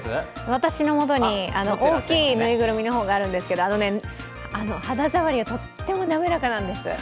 私のもとに大きいぬいぐるみの方があるんですけど肌触りがとってもなめらかなんです。